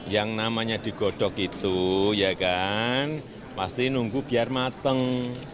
yang namanya digodok itu ya kan pasti nunggu biar mateng